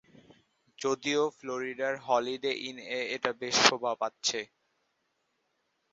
যদিও ফ্লোরিডার হলিডে ইন-এ এটা বেশ শোভা পাচ্ছে।